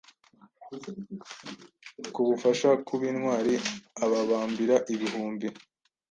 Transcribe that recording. Kubufasha kubintwari abambari ibihumbi